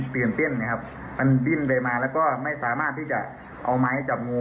ตื่นเต้นนะครับมันดิ้นไปมาแล้วก็ไม่สามารถที่จะเอาไม้จับงู